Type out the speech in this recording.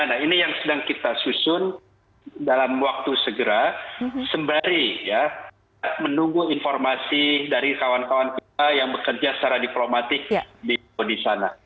nah ini yang sedang kita susun dalam waktu segera sembari ya menunggu informasi dari kawan kawan kita yang bekerja secara diplomatik di sana